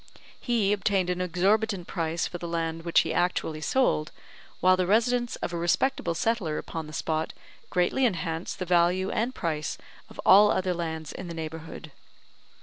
He obtained an exorbitant price for the land which he actually sold, while the residence of a respectable settler upon the spot greatly enhanced the value and price of all other lands in the neighbourhood.